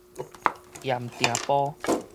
鹽埕埔